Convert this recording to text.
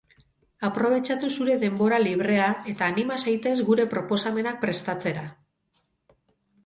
Aprobetxatu zure denbora librea eta anima zaitez gure proposamenak prestatzera!